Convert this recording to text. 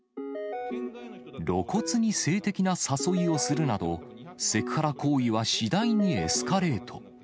露骨に性的な誘いをするなど、セクハラ行為は次第にエスカレート。